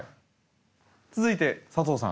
続いて佐藤さん